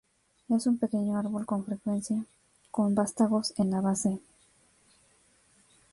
Es un pequeño árbol, con frecuencia con vástagos en la base.